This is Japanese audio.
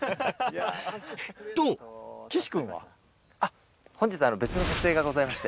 とあっ本日別の撮影がございまして。